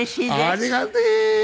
ありがてえ。